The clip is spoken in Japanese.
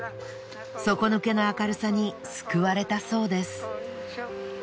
底抜けの明るさに救われたそうです。